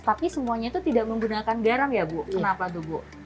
tapi semuanya itu tidak menggunakan garam ya bu kenapa tuh bu